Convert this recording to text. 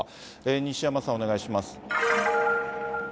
西山さん、お願いします。